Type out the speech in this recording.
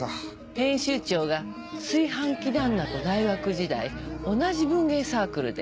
編集長が炊飯器旦那と大学時代同じ文芸サークルで。